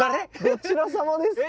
どちらさまですか？